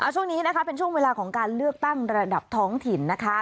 ช่วงนี้นะคะเป็นช่วงเวลาของการเลือกตั้งระดับท้องถิ่นนะคะ